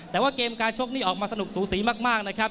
แต่ว่าเกมการชกนี่ออกมาสนุกสูสีมากนะครับ